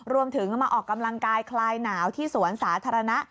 รวมถึงมาออกกำลังกายคลายหนาวที่สวนสาธารณะ